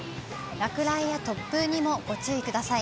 落雷や突風にもご注意ください。